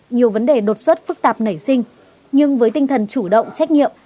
nhiều vấn đề đột xuất phức tạp nảy sinh nhưng với tinh thần chủ động trách nhiệm